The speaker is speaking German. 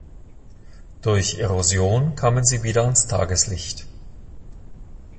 Durch Erosion kamen sie wieder ans Tageslicht.